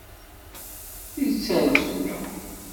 Yettal-d fell-awen!